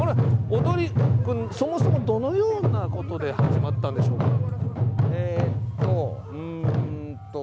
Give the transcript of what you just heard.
踊り、そもそもどのようなことで始まったんでしょうか？